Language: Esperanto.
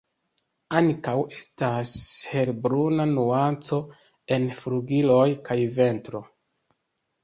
Ankaŭ estas helbruna nuanco en flugiloj kaj ventro.